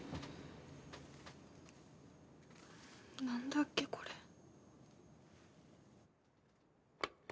何だっけこれ。